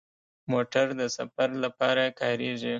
موټر د سفر لپاره کارېږي.